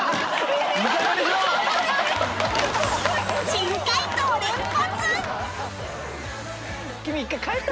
珍解答連発！？